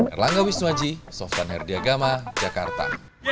erlangga wisnuaji softan herdiagama jakarta